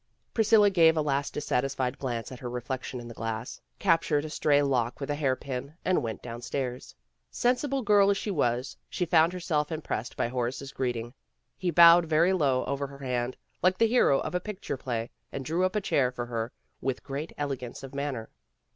Priscilla gave a last dissatisfied glance at her reflection in the glass, captured a stray lock with a hairpin, and went downstairs. Sensible girl as she was, she found herself impressed by Horace's greeting. He bowed very low over her hand, like the hero of a picture play, and drew up a chair for her with great elegance of manner.